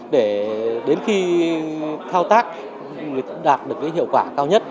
để đến khi thao tác đạt được hiệu quả cao nhất